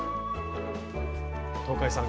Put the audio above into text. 東海さん